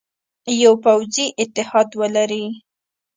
یوه پوځي اتحاد ولري.